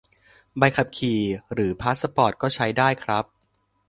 ใบขับขี่ หรือพาสปอร์ต ก็ใช้ได้ครับ